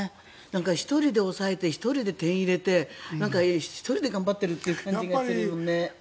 １人で抑えて１人で点を入れて１人で頑張ってる感じがするね。